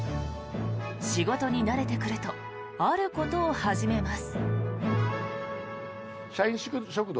仕事に慣れてくるとあることを始めます。